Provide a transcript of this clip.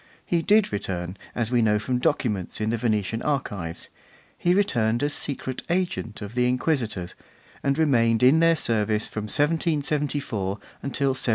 He did return, as we know from documents in the Venetian archives; he returned as secret agent of the Inquisitors, and remained in their service from 1774 until 1782.